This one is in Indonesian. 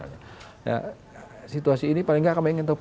nah situasi ini paling nggak kami ingin tahu